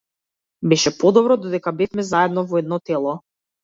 Беше подобро додека бевме заедно во едно тело.